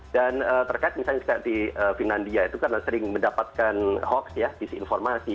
dan terkait misalnya di finlandia itu karena sering mendapatkan hoax ya disinformasi